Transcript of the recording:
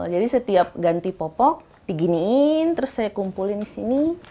jadi setiap ganti popok diginiin terus saya kumpulin di sini